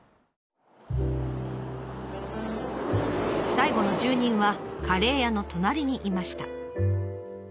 最後の住人はカレー屋の隣にいました。